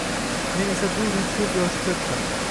Men esa duv-duv koʻz yoshi toʻkdim